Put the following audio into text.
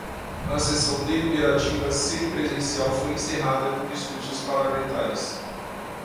A sessão deliberativa semipresencial foi encerrada com discursos parlamentares